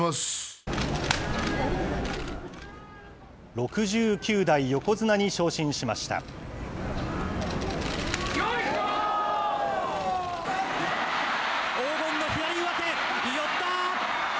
６９代横綱に昇進しました。